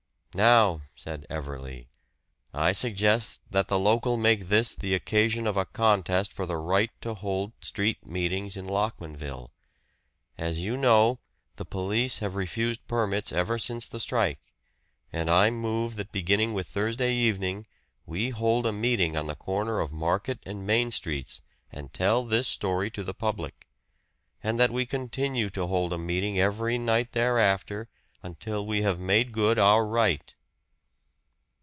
"Now," said Everley, "I suggest that the local make this the occasion of a contest for the right to hold street meetings in Lockmanville. As you know, the police have refused permits ever since the strike. And I move that beginning with Thursday evening, we hold a meeting on the corner of Market and Main streets, and tell this story to the public. And that we continue to hold a meeting every night thereafter until we have made good our right."